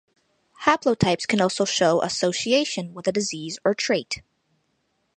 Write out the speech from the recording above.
Haplotypes can also show association with a disease or trait.